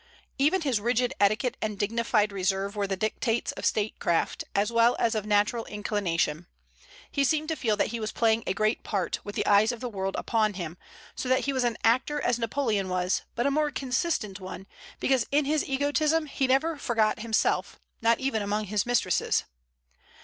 Even his rigid etiquette and dignified reserve were the dictates of statecraft, as well as of natural inclination. He seemed to feel that he was playing a great part, with the eyes of the world upon him; so that he was an actor as Napoleon was, but a more consistent one, because in his egotism he never forgot himself, not even among his mistresses.